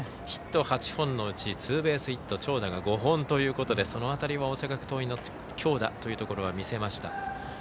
ヒット８本のうちツーベースヒット長打が５本ということでその辺りは大阪桐蔭の強打というところは見せました。